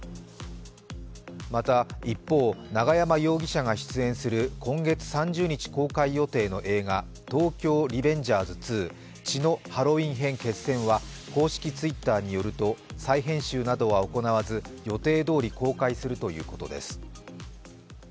また一方、永山容疑者が出演する今月３０日公開予定の映画「東京リベンジャーズ２血のハロウィン編」については公式Ｔｗｉｔｔｅｒによると、再編集などは行わず、予定どおり公開するということです。